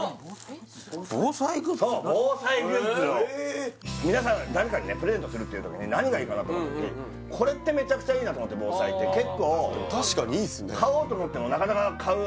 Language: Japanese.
そう防災グッズを皆さん誰かにねプレゼントするっていう時に何がいいかなと思ってこれってめちゃくちゃいいなと思って防災って結構確かにいいっすね買おうと思ってもなかなか買う